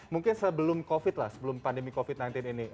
mungkin sebelum covid lah sebelum pandemi covid sembilan belas ini